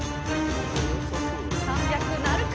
３００なるか。